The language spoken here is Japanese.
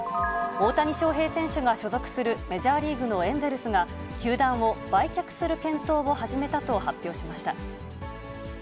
大谷翔平選手が所属するメジャーリーグのエンゼルスが、球団を売却する検討を始めたと発表しました。